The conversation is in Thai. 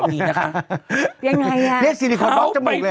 เบลล่าเบลล่า